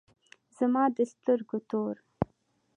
زما د سترگو تور